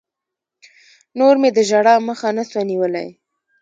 نور مې د ژړا مخه نه سوه نيولى.